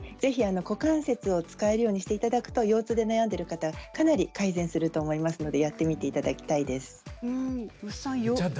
ぜひ股関節を使えるようにしていただくと腰痛で悩んでいる方かなり改善すると思いますのでやってみていただきたいです。